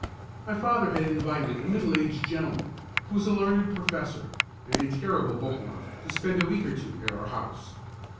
My father had invited a middle aged gentleman, who was a learned professor, and a terrible book worm, to spend a week or two at our house.